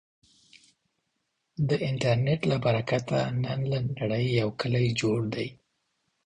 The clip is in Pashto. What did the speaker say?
د انټرنټ له برکته، نن له نړې یو کلی جوړ دی.